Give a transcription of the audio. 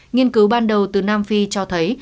nghiên cứu ban đầu từ nam phi cho thấy